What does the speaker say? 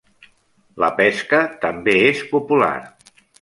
La pesca també és popular.